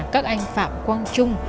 các anh phạm quang trung